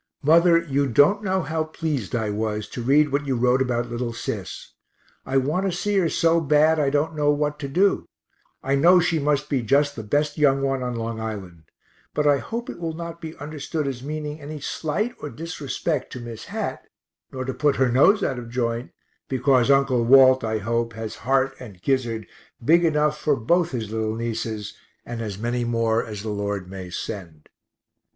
Mother, you don't know how pleased I was to read what you wrote about little Sis. I want to see her so bad I don't know what to do; I know she must be just the best young one on Long Island but I hope it will not be understood as meaning any slight or disrespect to Miss Hat, nor to put her nose out of joint, because Uncle Walt, I hope, has heart and gizzard big enough for both his little nieces and as many more as the Lord may send.